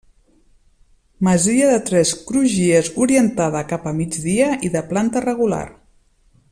Masia de tres crugies orientada cap a migdia i de planta regular.